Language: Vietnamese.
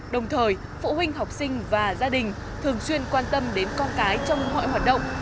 đồng thời phụ huynh học sinh và gia đình thường xuyên quan tâm đến con cái trong mọi hoạt động